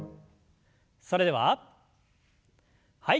それでははい。